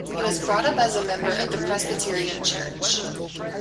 He was brought up as a member of the Presbyterian church.